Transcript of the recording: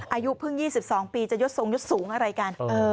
อายุเพิ่ง๒๒ปีจะยดทรงยดสูงอะไรกัน